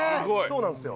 そうなんですよ。